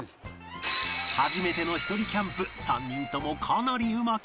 初めてのひとりキャンプ３人ともかなりうまくいきました